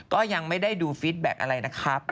ก็ยังไม่ได้ดูฟิตแบ็คอะไรนะครับ